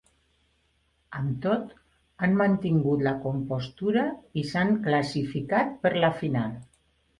Amb tot, han mantingut la compostura i s’han classificat per la final.